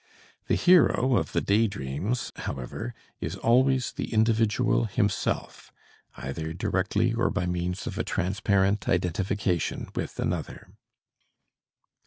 The hero of the day dreams, however, is always the individual himself, either directly or by means of a transparent identification with another.